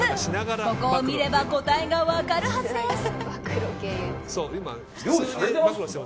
ここを見れば答えが分かるはずです。